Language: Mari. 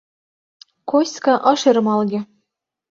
Коська ыш ӧрмалге.